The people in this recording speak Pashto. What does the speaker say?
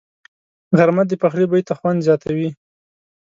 غرمه د پخلي بوی ته خوند زیاتوي